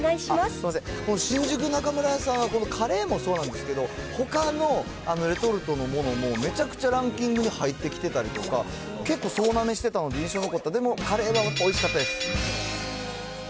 すみません、新宿中村屋さんは、このカレーもそうなんですけど、ほかのレトルトのものも、めちゃくちゃランキングに入ってきてたりとか、結構、総なめしてたので印象残ってて、でも、カレーがやっぱおいしかったです。